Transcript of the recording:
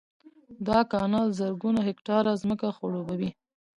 دا کانال زرګونه هکټاره ځمکه خړوبوي